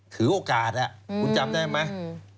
ถือโอกาสคุณจำได้ไหม